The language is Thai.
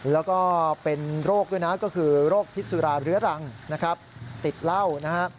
แล้วก็เป็นโรคด้วยนะก็คือโรคพิสุราเรื้อรังนะครับติดเหล้านะฮะ